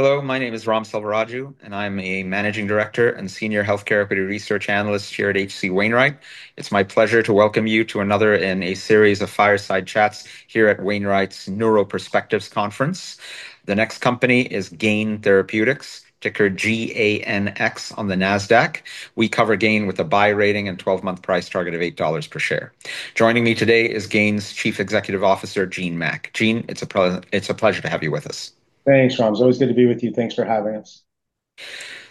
Hello, my name is Ram Selvaraju, I'm a Managing Director and Senior Healthcare Equity Research Analyst here at H.C. Wainwright. It's my pleasure to welcome you to another in a series of fireside chats here at Wainwright's Neuro Perspectives Conference. The next company is Gain Therapeutics, ticker GANX on the Nasdaq. We cover Gain with a buy rating and 12-month price target of $8 per share. Joining me today is Gain's Chief Executive Officer, Gene Mack. Gene, it's a pleasure to have you with us. Thanks, Ram. It's always good to be with you. Thanks for having us.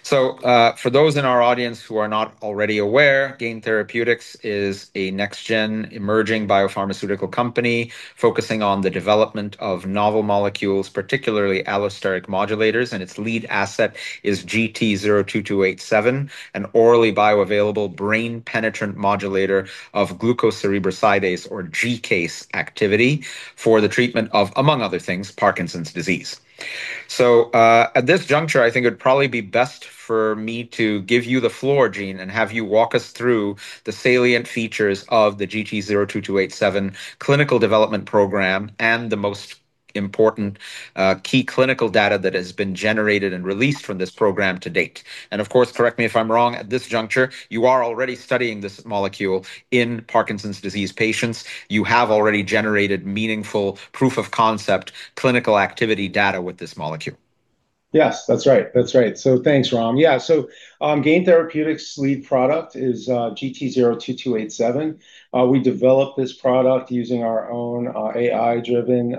For those in our audience who are not already aware, Gain Therapeutics is a next-gen emerging biopharmaceutical company focusing on the development of novel molecules, particularly allosteric modulators, and its lead asset is GT-02287, an orally bioavailable brain penetrant modulator of glucocerebrosidase, or GCase, activity for the treatment of, among other things, Parkinson's disease. At this juncture, I think it would probably be best for me to give you the floor, Gene, and have you walk us through the salient features of the GT-02287 clinical development program and the most important key clinical data that has been generated and released from this program to date. Of course, correct me if I'm wrong, at this juncture, you are already studying this molecule in Parkinson's disease patients. You have already generated meaningful proof of concept clinical activity data with this molecule. Yes. That's right. Thanks, Ram. Gain Therapeutics' lead product is GT-02287. We developed this product using our own AI-driven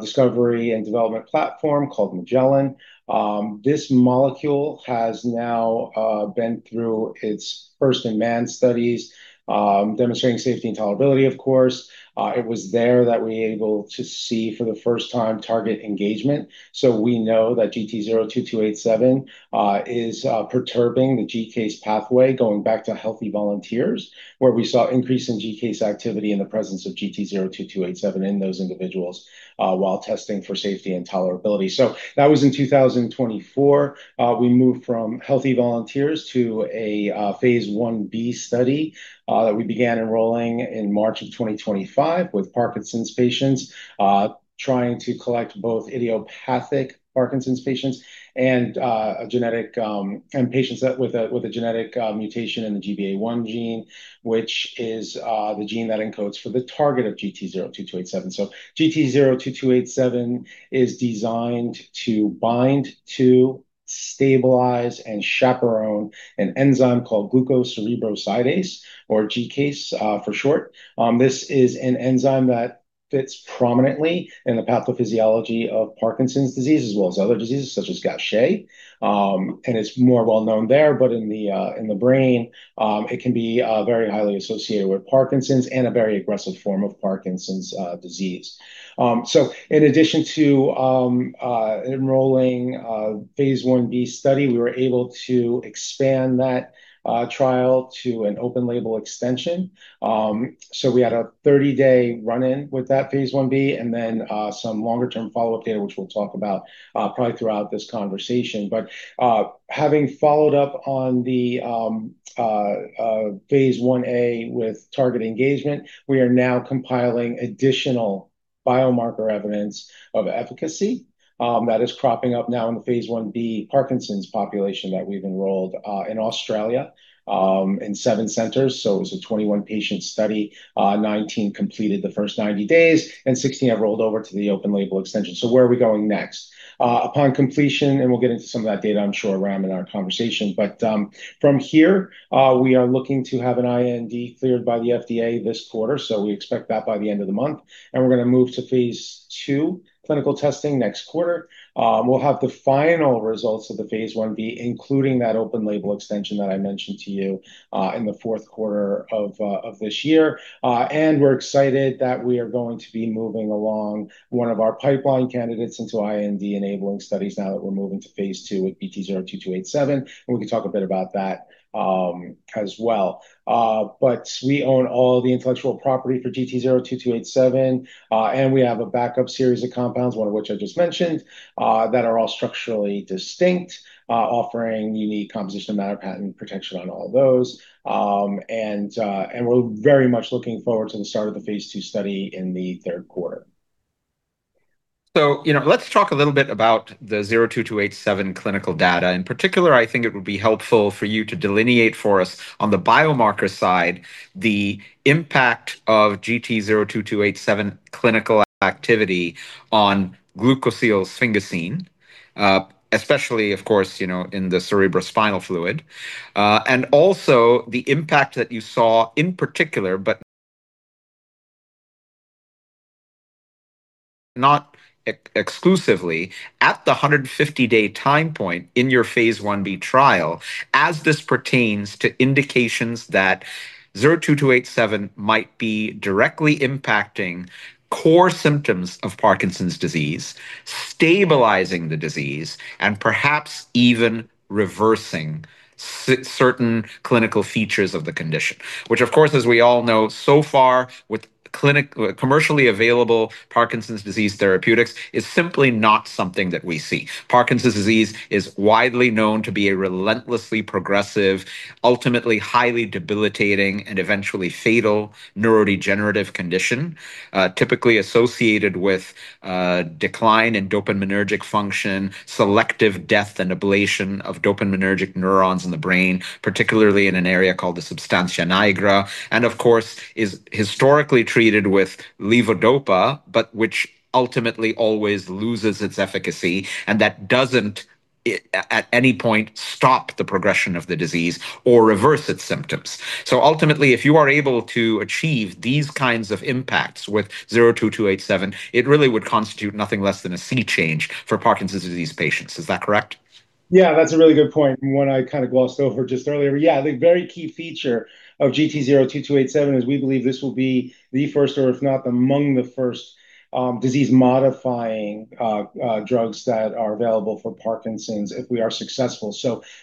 discovery and development platform called Magellan. This molecule has now been through its first-in-man studies, demonstrating safety and tolerability, of course. It was there that we were able to see for the first time target engagement. We know that GT-02287 is perturbing the GCase pathway, going back to healthy volunteers, where we saw increase in GCase activity in the presence of GT-02287 in those individuals, while testing for safety and tolerability. That was in 2024. We moved from healthy volunteers to a phase I-B study, that we began enrolling in March of 2025 with Parkinson's patients, trying to collect both idiopathic Parkinson's patients and patients with a genetic mutation in the GBA1 gene, which is the gene that encodes for the target of GT-02287. GT-02287 is designed to bind to, stabilize, and chaperone an enzyme called glucocerebrosidase, or GCase for short. This is an enzyme that fits prominently in the pathophysiology of Parkinson's disease as well as other diseases such as Gaucher. It is more well-known there, but in the brain, it can be very highly associated with Parkinson's and a very aggressive form of Parkinson's disease. In addition to enrolling a phase I-B study, we were able to expand that trial to an open label extension. We had a 30-day run-in with that phase I-B, and then some longer-term follow-up data, which we'll talk about probably throughout this conversation. Having followed up on the phase I-A with target engagement, we are now compiling additional biomarker evidence of efficacy that is cropping up now in the phase I-B Parkinson's population that we've enrolled in Australia, in seven centers. It was a 21-patient study. 19 completed the first 90 days, 16 have rolled over to the open label extension. Where are we going next? Upon completion, we'll get into some of that data, I'm sure, Ram, in our conversation. From here, we are looking to have an IND cleared by the FDA this quarter. We expect that by the end of the month. We're going to move to phase II clinical testing next quarter. We'll have the final results of the phase I-B, including that open label extension that I mentioned to you, in the fourth quarter of this year. We're excited that we are going to be moving along one of our pipeline candidates into IND-enabling studies now that we're moving to phase II with GT-02287, and we can talk a bit about that as well. We own all the intellectual property for GT-02287. We have a backup series of compounds, one of which I just mentioned, that are all structurally distinct, offering unique composition of matter patent protection on all those. We're very much looking forward to the start of the phase II study in the third quarter. Let's talk a little bit about the 02287 clinical data. In particular, I think it would be helpful for you to delineate for us on the biomarker side, the impact of GT-02287 clinical activity on glucosylsphingosine, especially of course, in the cerebrospinal fluid. Also the impact that you saw in particular, but not exclusively, at the 150-day time point in your phase I-B trial, as this pertains to indications that 02287 might be directly impacting core symptoms of Parkinson's disease, stabilizing the disease, and perhaps even reversing certain clinical features of the condition. Which of course, as we all know, so far with clinic, commercially available Parkinson's disease therapeutics is simply not something that we see. Parkinson's disease is widely known to be a relentlessly progressive, ultimately highly debilitating, and eventually fatal neurodegenerative condition, typically associated with a decline in dopaminergic function, selective death, and ablation of dopaminergic neurons in the brain, particularly in an area called the substantia nigra, and of course, is historically treated with levodopa, but which ultimately always loses its efficacy, and that doesn't at any point stop the progression of the disease or reverse its symptoms. Ultimately, if you are able to achieve these kinds of impacts with 02287, it really would constitute nothing less than a sea change for Parkinson's disease patients. Is that correct? Yeah, that's a really good point, and one I kind of glossed over just earlier. Yeah, the very key feature of GT-02287 is we believe this will be the first, or if not among the first, disease-modifying drugs that are available for Parkinson's if we are successful.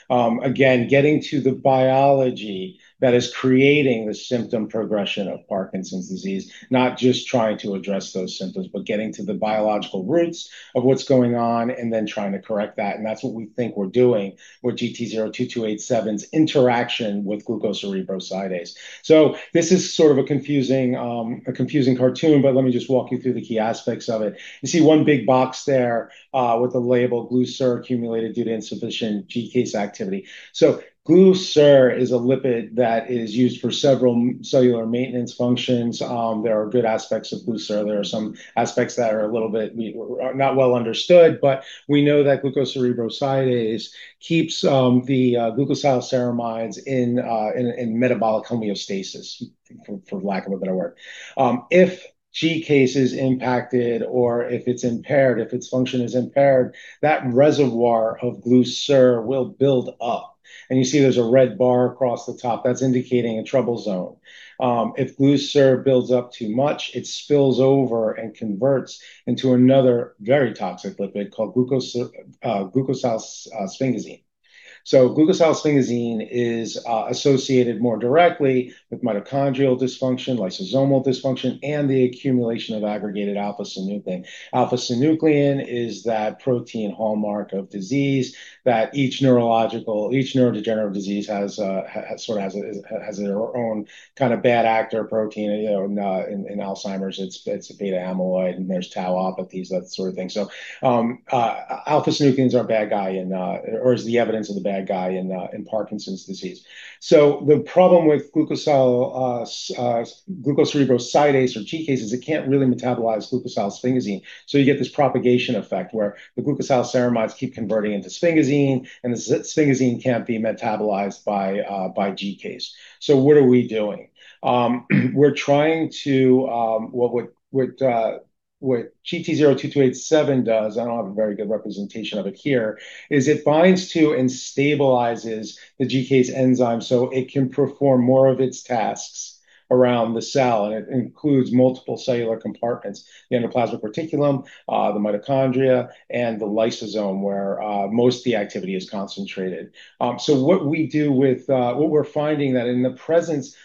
Again, getting to the biology that is creating the symptom progression of Parkinson's disease, not just trying to address those symptoms, but getting to the biological roots of what's going on and then trying to correct that. That's what we think we're doing with GT-02287's interaction with glucocerebrosidase. This is sort of a confusing cartoon, but let me just walk you through the key aspects of it. You see one big box there, with a label, "GluCer accumulated due to insufficient GCase activity." GluCer is a lipid that is used for several cellular maintenance functions. There are good aspects of GluCer. There are some aspects that are a little bit not well understood, but we know that glucocerebrosidase keeps the glucosylceramides in metabolic homeostasis, for lack of a better word. If GCase is impacted or if it's impaired, if its function is impaired, that reservoir of GluCer will build up. You see there's a red bar across the top. That's indicating a trouble zone. If GluCer builds up too much, it spills over and converts into another very toxic lipid called glucosylsphingosine. Glucosylsphingosine is associated more directly with mitochondrial dysfunction, lysosomal dysfunction, and the accumulation of aggregated alpha-synuclein. Alpha-synuclein is that protein hallmark of disease that each neurodegenerative disease has their own kind of bad actor protein. In Alzheimer's, it's beta-amyloid, and there's tauopathies, that sort of thing. Alpha-synuclein's our bad guy, or is the evidence of the bad guy, in Parkinson's disease. The problem with glucocerebrosidase or GCase is it can't really metabolize glucosylsphingosine. You get this propagation effect where the glucosylceramides keep converting into sphingosine, and the sphingosine can't be metabolized by GCase. What are we doing? What GT-02287 does, I don't have a very good representation of it here, is it binds to and stabilizes the GCase enzyme so it can perform more of its tasks around the cell, and it includes multiple cellular compartments, the endoplasmic reticulum, the mitochondria, and the lysosome, where most of the activity is concentrated. What we're finding that in the presence of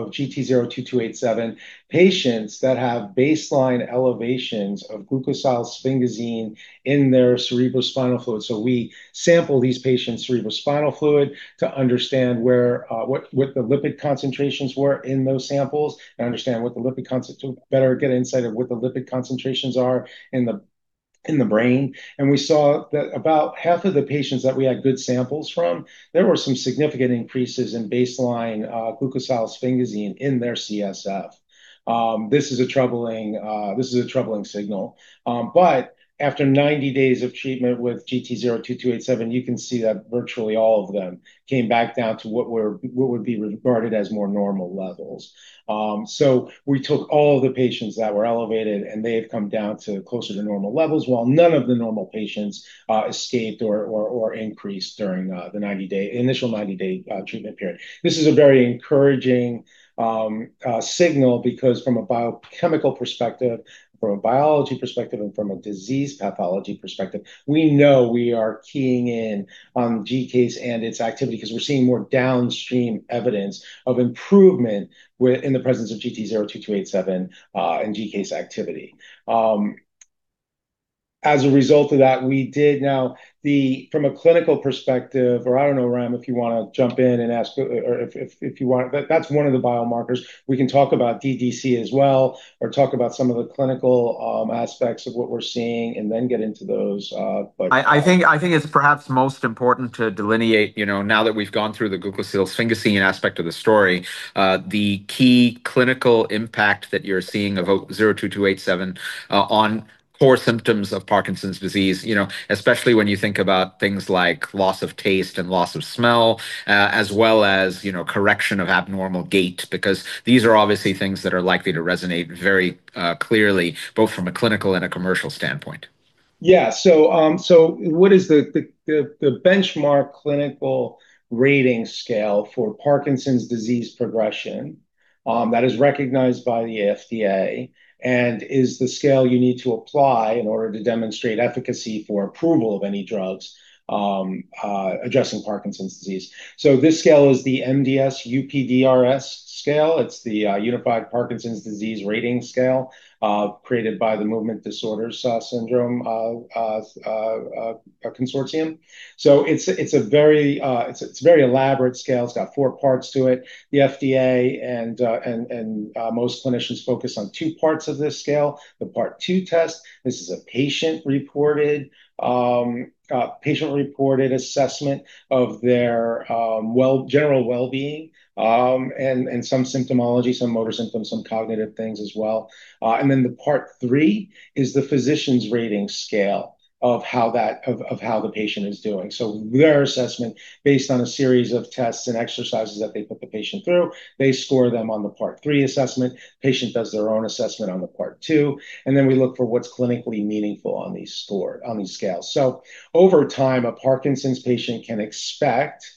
GT-02287, patients that have baseline elevations of glucosylsphingosine in their cerebrospinal fluid. We sample these patients' cerebrospinal fluid to understand what the lipid concentrations were in those samples, and to better get an insight of what the lipid concentrations are in the brain. We saw that about half of the patients that we had good samples from, there were some significant increases in baseline glucosylsphingosine in their CSF. This is a troubling signal. After 90 days of treatment with GT-02287, you can see that virtually all of them came back down to what would be regarded as more normal levels. We took all the patients that were elevated, and they have come down to closer to normal levels, while none of the normal patients escaped or increased during the initial 90-day treatment period. This is a very encouraging signal because from a biochemical perspective, from a biology perspective, and from a disease pathology perspective, we know we are keying in on GCase and its activity because we're seeing more downstream evidence of improvement in the presence of GT-02287 and GCase activity. As a result of that, from a clinical perspective, or I don't know, Ram, if you want to jump in. That's one of the biomarkers. We can talk about DDC as well, or talk about some of the clinical aspects of what we're seeing and then get into those. I think it's perhaps most important to delineate, now that we've gone through the glucosylsphingosine aspect of the story, the key clinical impact that you're seeing of 02287 on core symptoms of Parkinson's disease, especially when you think about things like loss of taste and loss of smell, as well as correction of abnormal gait, because these are obviously things that are likely to resonate very clearly, both from a clinical and a commercial standpoint. Yeah. What is the benchmark clinical rating scale for Parkinson's disease progression? That is recognized by the FDA, and is the scale you need to apply in order to demonstrate efficacy for approval of any drugs addressing Parkinson's disease. This scale is the MDS-UPDRS scale. It's the Unified Parkinson's Disease Rating Scale, created by the Movement Disorder Society. It's a very elaborate scale. It's got four parts to it. The FDA and most clinicians focus on two parts of this scale. The Part II test, this is a patient-reported assessment of their general wellbeing, and some symptomology, some motor symptoms, some cognitive things as well. Then the Part III is the physician's rating scale of how the patient is doing. Their assessment, based on a series of tests and exercises that they put the patient through, they score them on the Part III assessment. Patient does their own assessment on the Part II, then we look for what's clinically meaningful on these scales. Over time, a Parkinson's patient can expect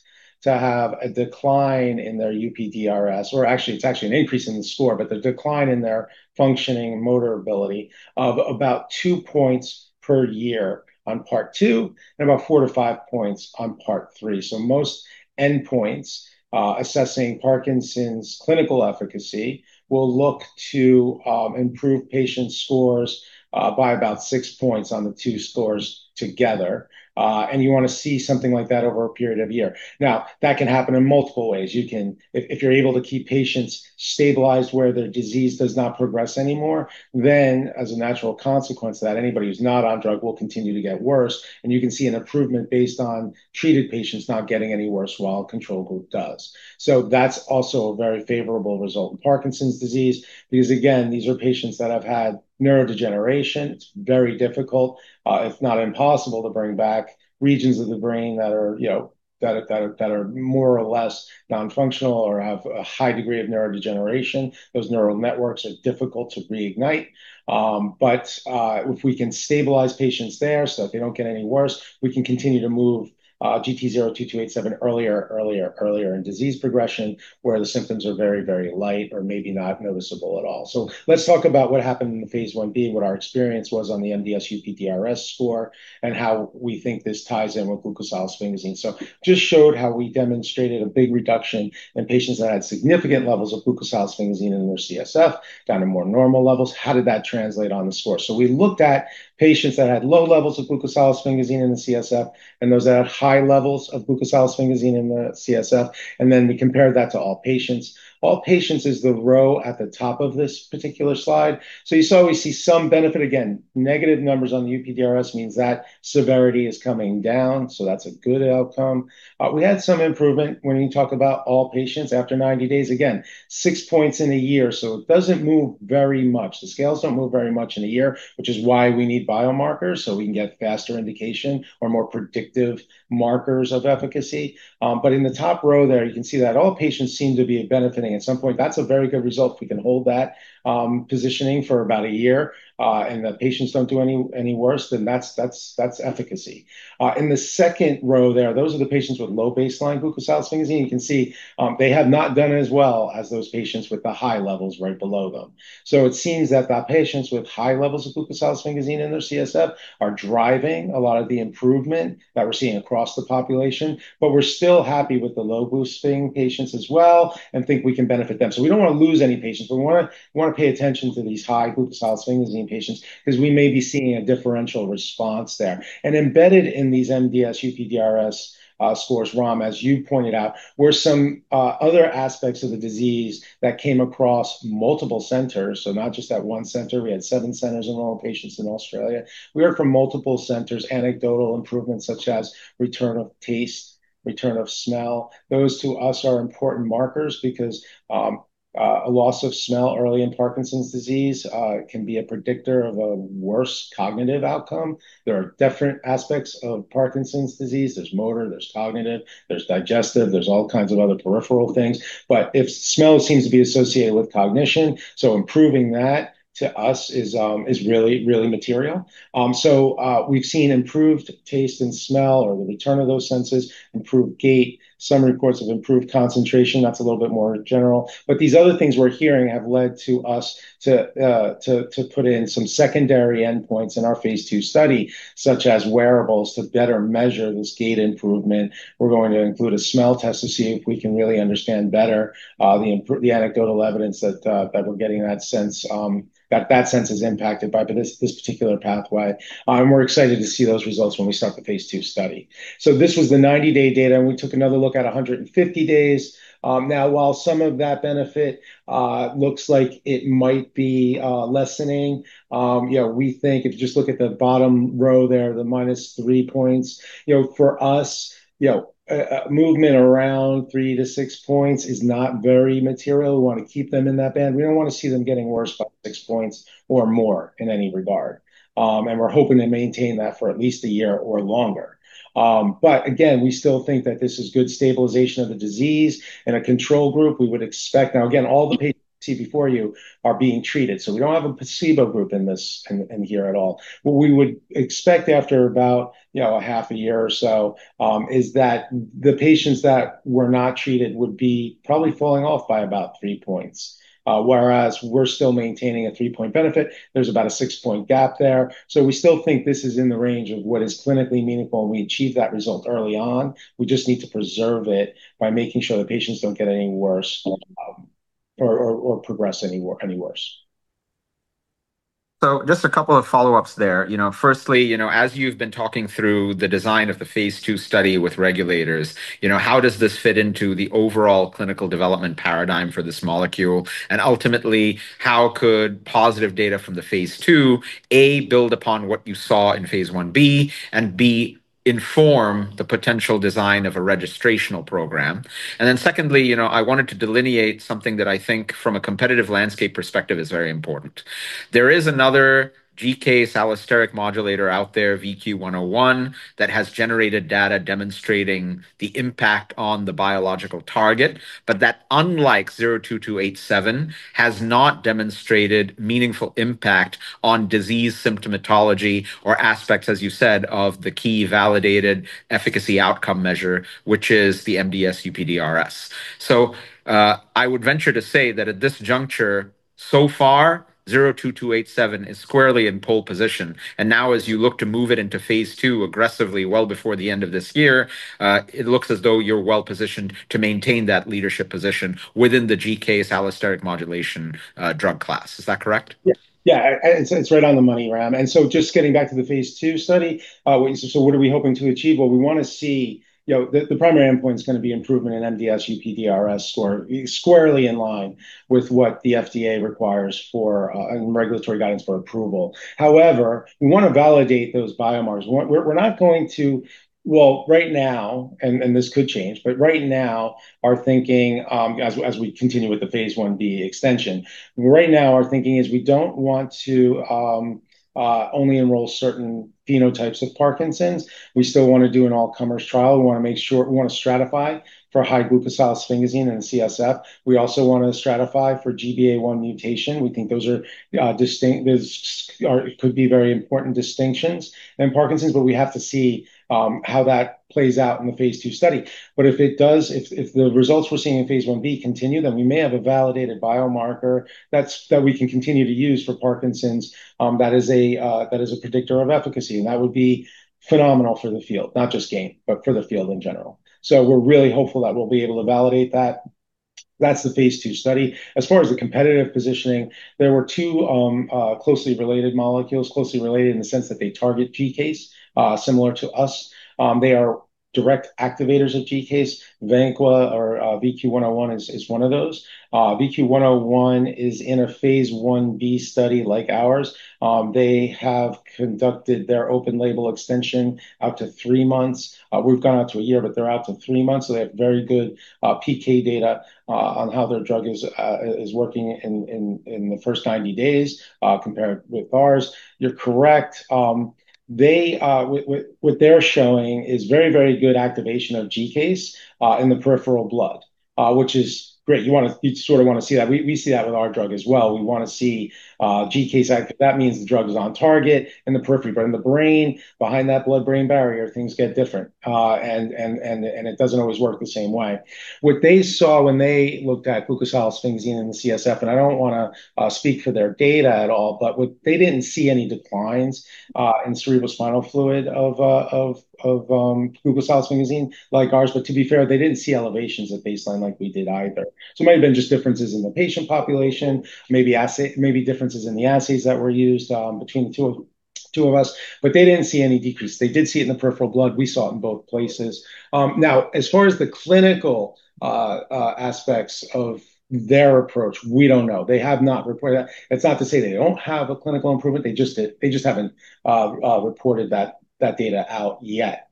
to have a decline in their UPDRS, or actually, it's actually an increase in the score, but the decline in their functioning motor ability of about two points per year on Part II, and about four to five points on Part III. Most endpoints, assessing Parkinson's clinical efficacy, will look to improve patient scores by about six points on the two scores together. You want to see something like that over a period of a year. That can happen in multiple ways. If you're able to keep patients stabilized where their disease does not progress anymore, as a natural consequence to that, anybody who's not on drug will continue to get worse, you can see an improvement based on treated patients not getting any worse while a control group does. That's also a very favorable result in Parkinson's disease. Again, these are patients that have had neurodegeneration. It's very difficult, if not impossible, to bring back regions of the brain that are more or less non-functional or have a high degree of neurodegeneration. Those neural networks are difficult to reignite. If we can stabilize patients there so that they don't get any worse, we can continue to move GT-02287 earlier and earlier in disease progression, where the symptoms are very, very light or maybe not noticeable at all. Let's talk about what happened in the phase I-B, what our experience was on the MDS-UPDRS score, and how we think this ties in with glucosylsphingosine. Just showed how we demonstrated a big reduction in patients that had significant levels of glucosylsphingosine in their CSF, down to more normal levels. How did that translate on the score? We looked at patients that had low levels of glucosylsphingosine in the CSF, and those that had high levels of glucosylsphingosine in the CSF, then we compared that to all patients. All patients is the row at the top of this particular slide. You saw we see some benefit. Negative numbers on the UPDRS means that severity is coming down, so that's a good outcome. We had some improvement when you talk about all patients after 90 days. Six points in a year, it doesn't move very much. The scales don't move very much in a year, which is why we need biomarkers, we can get faster indication or more predictive markers of efficacy. In the top row there, you can see that all patients seem to be benefiting at some point. That's a very good result. If we can hold that positioning for about a year, the patients don't do any worse, then that's efficacy. In the second row there, those are the patients with low baseline glucosylsphingosine. You can see they have not done as well as those patients with the high levels right below them. It seems that the patients with high levels of glucosylsphingosine in their CSF are driving a lot of the improvement that we're seeing across the population. We're still happy with the low glucosylsphingosine patients as well and think we can benefit them. We don't want to lose any patients, but we want to pay attention to these high glucosylsphingosine patients because we may be seeing a differential response there. Embedded in these MDS-UPDRS scores, Ram, as you pointed out, were some other aspects of the disease that came across multiple centers, so not just at one center. We had seven centers and all patients in Australia. We heard from multiple centers anecdotal improvements such as return of taste, return of smell. Those to us are important markers because a loss of smell early in Parkinson's disease can be a predictor of a worse cognitive outcome. There are different aspects of Parkinson's disease. There's motor, there's cognitive, there's digestive, there's all kinds of other peripheral things. Smell seems to be associated with cognition, improving that to us is really, really material. We've seen improved taste and smell or the return of those senses, improved gait, some reports of improved concentration. That's a little bit more general. These other things we're hearing have led to us to put in some secondary endpoints in our phase II study, such as wearables to better measure this gait improvement. We're going to include a smell test to see if we can really understand better the anecdotal evidence that we're getting, that sense is impacted by this particular pathway. We're excited to see those results when we start the phase II study. This was the 90-day data, and we took another look at 150 days. While some of that benefit looks like it might be lessening, we think if you just look at the bottom row there, the -3 points, for us, movement around three to six points is not very material. We want to keep them in that band. We don't want to see them getting worse by six points or more in any regard. We're hoping to maintain that for at least a year or longer. Again, we still think that this is good stabilization of the disease. In a control group, we would expect. Now again, all the patients you see before you are being treated. We don't have a placebo group in here at all. What we would expect after about a half a year or so, is that the patients that were not treated would be probably falling off by about three points. Whereas we're still maintaining a three-point benefit. There's about a six-point gap there. We still think this is in the range of what is clinically meaningful, and we achieved that result early on. We just need to preserve it by making sure the patients don't get any worse or progress any worse. Just a couple of follow-ups there. Firstly, as you've been talking through the design of the phase II study with regulators, how does this fit into the overall clinical development paradigm for this molecule? Ultimately, how could positive data from the phase II, A, build upon what you saw in phase I-B, and B, inform the potential design of a registrational program? Secondly, I wanted to delineate something that I think from a competitive landscape perspective is very important. There is another GCase allosteric modulator out there, VQ-101, that has generated data demonstrating the impact on the biological target. That, unlike 02287, has not demonstrated meaningful impact on disease symptomatology or aspects, as you said, of the key validated efficacy outcome measure, which is the MDS-UPDRS. I would venture to say that at this juncture, so far, 02287 is squarely in pole position. Now as you look to move it into phase II aggressively well before the end of this year, it looks as though you're well-positioned to maintain that leadership position within the GCase allosteric modulation drug class. Is that correct? Yeah. It's right on the money, Ram. Just getting back to the phase II study, what are we hoping to achieve? Well, we want to see, the primary endpoint is going to be improvement in MDS-UPDRS score, squarely in line with what the FDA requires for regulatory guidance for approval. However, we want to validate those biomarkers. Well, right now, and this could change, but right now our thinking, as we continue with the phase I-B extension, right now our thinking is we don't want to only enroll certain phenotypes of Parkinson's. We still want to do an all-comers trial. We want to stratify for high glucosylsphingosine and CSF. We also want to stratify for GBA1 mutation. We think those could be very important distinctions in Parkinson's, but we have to see how that plays out in the phase II study. If the results we're seeing in phase I-B continue, we may have a validated biomarker that we can continue to use for Parkinson's, that is a predictor of efficacy. That would be phenomenal for the field, not just Gain, but for the field in general. We're really hopeful that we'll be able to validate that. That's the phase II study. As far as the competitive positioning, there were two closely related molecules, closely related in the sense that they target GCase, similar to us. They are direct activators of GCase. Vanqua or VQ-101 is one of those. VQ-101 is in a phase I-B study like ours. They have conducted their open label extension out to three months. We've gone out to a year, but they're out to three months, so they have very good PK data on how their drug is working in the first 90 days, compared with ours. You're correct. What they're showing is very, very good activation of GCase in the peripheral blood, which is great. You sort of want to see that. We see that with our drug as well. We want to see GCase active. That means the drug is on target in the periphery. In the brain, behind that blood-brain barrier, things get different. It doesn't always work the same way. What they saw when they looked at glucosylsphingosine in the CSF, and I don't want to speak for their data at all, but they didn't see any declines in cerebrospinal fluid of glucosylsphingosine like ours. To be fair, they didn't see elevations at baseline like we did either. It might have been just differences in the patient population, maybe differences in the assays that were used between the two of us, but they didn't see any decrease. They did see it in the peripheral blood. We saw it in both places. Now, as far as the clinical aspects of their approach, we don't know. They have not reported that. It's not to say they don't have a clinical improvement, they just haven't reported that data out yet.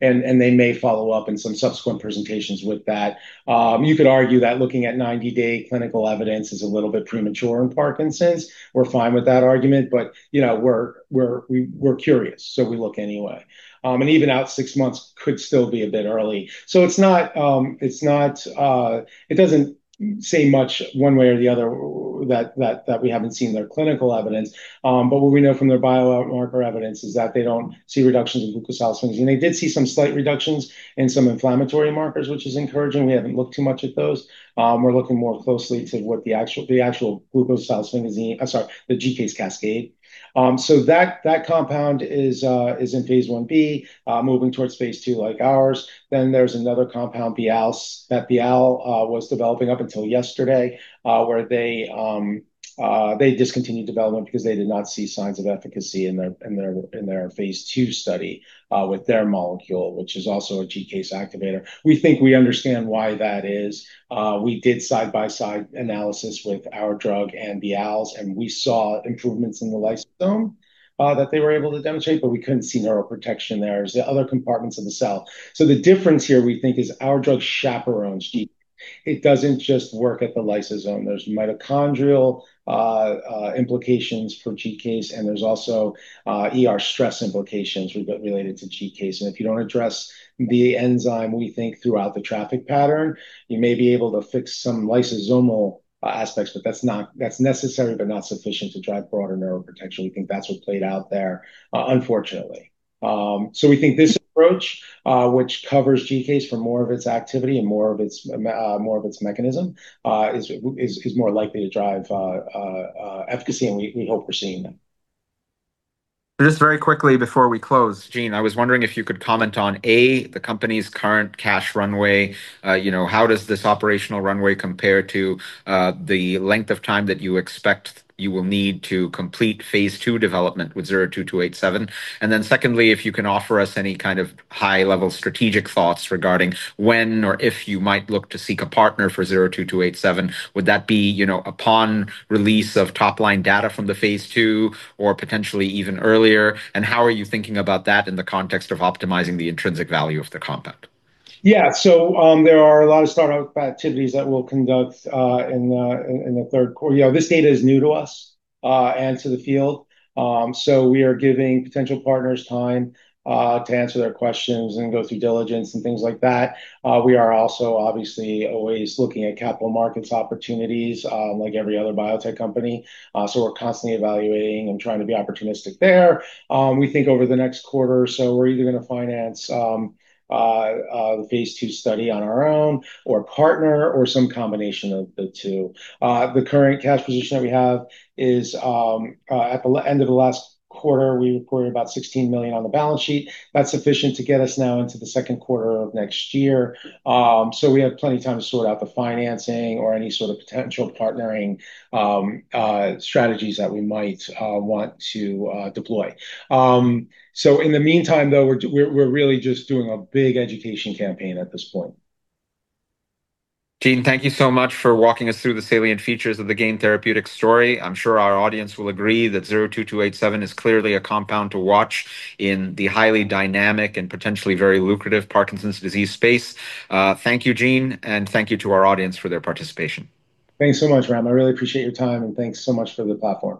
They may follow up in some subsequent presentations with that. You could argue that looking at 90-day clinical evidence is a little bit premature in Parkinson's. We're fine with that argument. We're curious, so we look anyway. Even out six months could still be a bit early. It doesn't say much one way or the other that we haven't seen their clinical evidence. What we know from their biomarker evidence is that they don't see reductions in glucosylsphingosine. They did see some slight reductions in some inflammatory markers, which is encouraging. We haven't looked too much at those. We're looking more closely to what the actual glucosylsphingosine, I'm sorry, the GCase cascade. That compound is in phase I-B, moving towards phase II like ours. There's another compound that Bial was developing up until yesterday, where they discontinued development because they did not see signs of efficacy in their phase II study, with their molecule, which is also a GCase activator. We think we understand why that is. We did side-by-side analysis with our drug and Bial's, and we saw improvements in the lysosome, that they were able to demonstrate, but we couldn't see neuroprotection there. There's the other compartments of the cell. The difference here, we think, is our drug chaperones GCase. It doesn't just work at the lysosome. There's mitochondrial implications for GCase, and there's also ER stress implications related to GCase. If you don't address the enzyme, we think, throughout the traffic pattern, you may be able to fix some lysosomal aspects, but that's necessary but not sufficient to drive broader neuroprotection. We think that's what played out there, unfortunately. We think this approach, which covers GCase for more of its activity and more of its mechanism, is more likely to drive efficacy, and we hope we're seeing that. Just very quickly before we close, Gene, I was wondering if you could comment on, A, the company's current cash runway. How does this operational runway compare to the length of time that you expect you will need to complete phase II development with 02287? Secondly, if you can offer us any kind of high-level strategic thoughts regarding when or if you might look to seek a partner for 02287. Would that be upon release of top-line data from the phase II, or potentially even earlier? How are you thinking about that in the context of optimizing the intrinsic value of the compound? Yeah. There are a lot of startup activities that we'll conduct in the third quarter. This data is new to us, and to the field, so we are giving potential partners time to answer their questions and go through diligence and things like that. We are also, obviously, always looking at capital markets opportunities, like every other biotech company. We're constantly evaluating and trying to be opportunistic there. We think over the next quarter or so, we're either going to finance the phase II study on our own, or partner, or some combination of the two. The current cash position that we have is, at the end of the last quarter, we reported about $16 million on the balance sheet. That's sufficient to get us now into the second quarter of next year. We have plenty of time to sort out the financing or any sort of potential partnering strategies that we might want to deploy. In the meantime, though, we're really just doing a big education campaign at this point. Gene, thank you so much for walking us through the salient features of the Gain Therapeutics story. I'm sure our audience will agree that 02287 is clearly a compound to watch in the highly dynamic and potentially very lucrative Parkinson's disease space. Thank you, Gene, and thank you to our audience for their participation. Thanks so much, Ram. I really appreciate your time. Thanks so much for the platform.